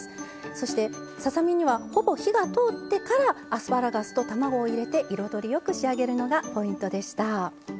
そしてささ身にはほぼ火が通ってからアスパラガスと卵を入れて彩りよく仕上げるのがポイントでした。